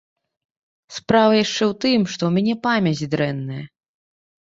Справа яшчэ ў тым, што ў мяне памяць дрэнная.